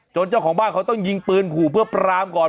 เจ้าของบ้านเขาต้องยิงปืนขู่เพื่อปรามก่อน